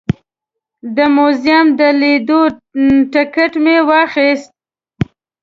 د موزیم د لیدو ټکټ مې واخیست.